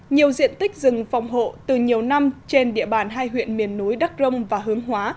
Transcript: nhiều diện tích rừng phòng hộ từ nhiều năm trên địa bàn hai huyện miền núi đắc rông và hướng hóa